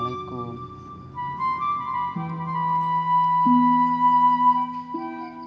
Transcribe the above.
neng mah kayak gini